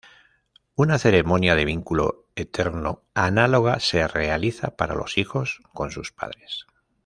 Una ceremonia de vínculo eterno análoga se realiza para los hijos con sus padres.